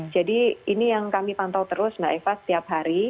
jadi ini yang kami pantau terus mbak eva setiap hari